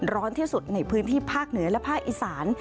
ร้อนที่สุดในพื้นที่ภาคเหนือและภาคอีสาน